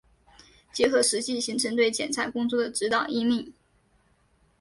结合实际形成对检察工作的指导、引领